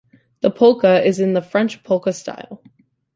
The polka is in the 'French-polka' style.